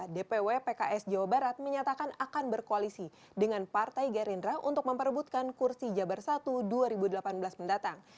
dpw pks jawa barat menyatakan akan berkoalisi dengan partai gerindra untuk memperebutkan kursi jabar satu dua ribu delapan belas mendatang